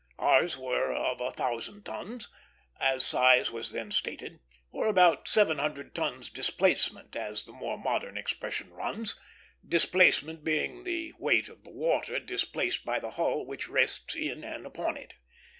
Ours were of a thousand tons, as size was then stated, or about seven hundred tons "displacement," as the more modern expression runs; displacement being the weight of the water displaced by the hull which rests in and upon it.